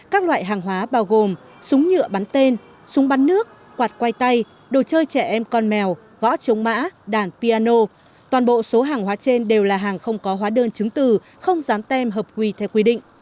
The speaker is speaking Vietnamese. các loại hàng hóa bao gồm súng nhựa bắn tên súng bắn nước quạt quay tay đồ chơi trẻ em con mèo gõ chống mã đàn piano toàn bộ số hàng hóa trên đều là hàng không có hóa đơn chứng từ không dám tem hợp quỳ theo quy định